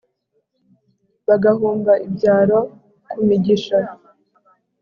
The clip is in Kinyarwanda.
Bagahumba ibyaro ku migisha.